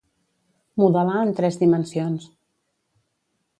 Modelar en tres dimensions.